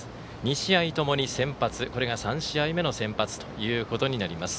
２試合ともに先発、これが３試合目の先発ということになります。